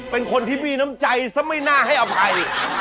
เป็นคนที่มีน้ำใจซะไม่น่าให้อภัย